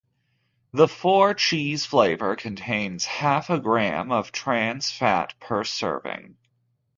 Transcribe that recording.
The Four Cheese flavor contains half a gram of trans fat per serving.